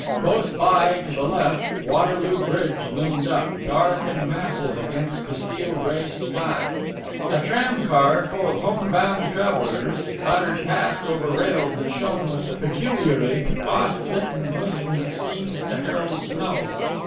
Close by, to the left, Waterloo Bridge loomed up, dark and massive against the steel grey sky. A tram car, full of home bound travellers, clattered past over rails that shone with the peculiarly frost bitten gleam that seems to herald snow.